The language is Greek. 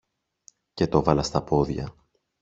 και το 'βαλα στα πόδια.